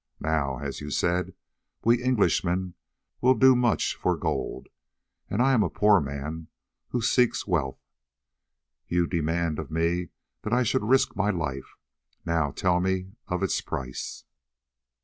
Now, as you said, we Englishmen will do much for gold, and I am a poor man who seeks wealth. You demand of me that I should risk my life; now tell me of its price."